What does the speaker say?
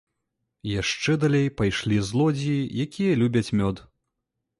Яшчэ далей пайшлі злодзеі, якія любяць мёд.